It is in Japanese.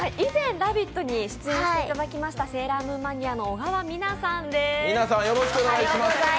以前「ラヴィット！」に出演していただきました、セーラームーンマニアの小川さんです。